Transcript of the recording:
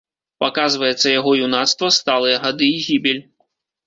Паказваецца яго юнацтва, сталыя гады і гібель.